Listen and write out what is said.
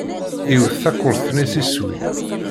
Iwet takurt-nni s iswi.